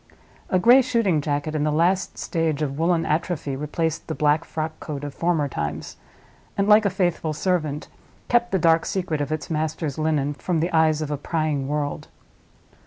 A gray shooting jacket in the last stage of woolen atrophy replaced the black frockcoat of former times, and, like a faithful servant, kept the dark secret of its master's linen from the eyes of a prying world.